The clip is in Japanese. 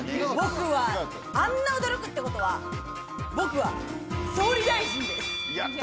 あんな驚くってことは僕は総理大臣です。